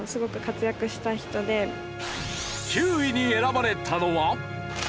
９位に選ばれたのは。